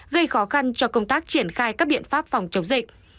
gây khó khăn cho công tác triển khai các biện pháp phòng chống dịch